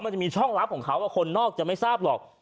มันจะมีช่องลับของเขาคนนอกจะไม่ทราบหรอก